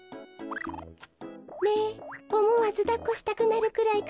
ねえおもわずだっこしたくなるくらいかわいいでしょう。